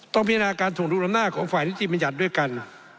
ต้องพิจารณาการถูกดูลำหน้าของฝ่ายนิตยีประหยัดด้วยกัน